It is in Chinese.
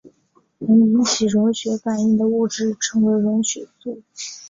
能引起溶血反应的物质称为溶血素。